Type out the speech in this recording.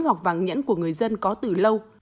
tập quán hoặc vàng nhẫn của người dân có từ lâu